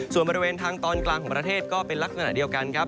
ส่วนบริเวณทางตอนกลางของประเทศก็เป็นลักษณะเดียวกันครับ